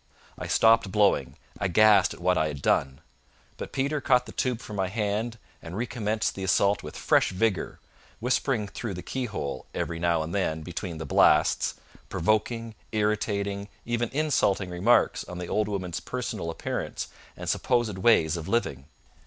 I stopped blowing, aghast at what I had done; but Peter caught the tube from my hand and recommenced the assault with fresh vigour, whispering through the keyhole, every now and then between the blasts, provoking, irritating, even insulting remarks on the old woman's personal appearance and supposed ways of living.